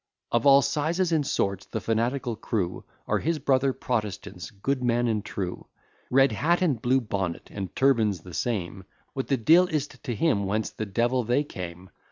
Of all sizes and sorts, the fanatical crew Are his brother Protestants, good men and true; Red hat, and blue bonnet, and turban's the same, What the de'il is't to him whence the devil they came.